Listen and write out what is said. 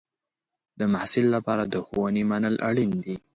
د محصل لپاره د ښوونې منل اړین دی.